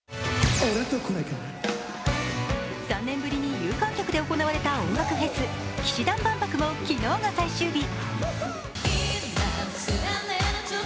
３年ぶりに有観客で行われた音楽フェス、氣志團万博も昨日が最終日。